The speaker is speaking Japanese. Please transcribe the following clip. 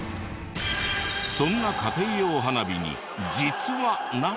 そんな家庭用花火に「実は」な珍百景が。